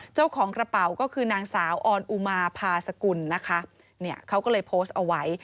เจ้าของกระเป๋าก็คือนางสาวออนอุมาพาสกุลนะคะเนี่ยเขาก็เลยโพสต์เอาไว้